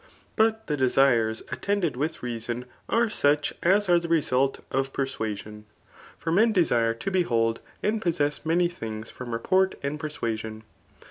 But the desu^ attended with reason, are s^ich as are the result of per* suasion. For men desire to behold and possess taaiWf things, from report and persuasion.